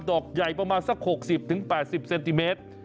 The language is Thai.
อกใหญ่ประมาณสัก๖๐๘๐เซนติเมตร